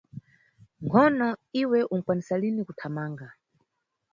Nkhono, iwe unikwanisa lini kuthamanga.